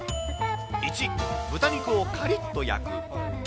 １、豚肉をかりっと焼く。